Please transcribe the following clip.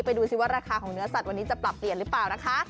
ดูสิว่าราคาของเนื้อสัตว์วันนี้จะปรับเปลี่ยนหรือเปล่านะคะ